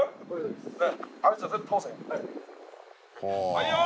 はいよ！